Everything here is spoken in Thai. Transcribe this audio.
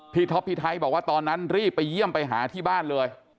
ท็อปพี่ไทยบอกว่าตอนนั้นรีบไปเยี่ยมไปหาที่บ้านเลย